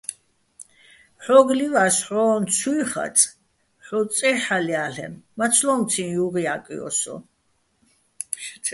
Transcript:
ჰ̦ო́გო̆ ლივა́ს, ჰ̦ო́ჼ ცუჲ ხაწე̆, ჰ̦ო წეჰ̦ალჲა́ლ'ენო̆, მაცლო́მციჼ ჲუღჲა́კჲო სო!